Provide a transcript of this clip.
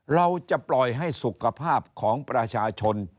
เราจะปล่อยให้สุขภาพของประชาชน